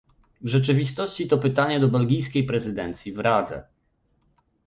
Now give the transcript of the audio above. W rzeczywistości to pytanie do belgijskiej prezydencji w Radze